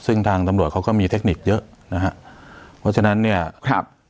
ซึ่งทางตำรวจเขาก็มีเทคนิคเยอะนะฮะเพราะฉะนั้นเนี่ยครับ